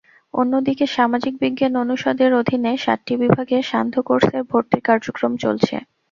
অন্যদিকে সামাজিক বিজ্ঞান অনুষদের অধীনে সাতটি বিভাগে সান্ধ্য কোর্সের ভর্তি কার্যক্রম চলছে।